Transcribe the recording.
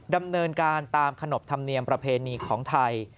ดำเนินการตามขนบธรรมเนียมประเพณีของไทย